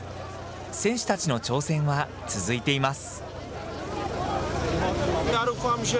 選手たちの挑戦は続いています。